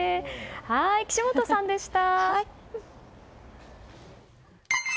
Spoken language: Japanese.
岸本さんでした。